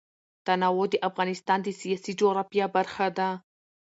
تنوع د افغانستان د سیاسي جغرافیه برخه ده.